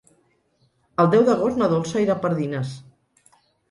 El deu d'agost na Dolça irà a Pardines.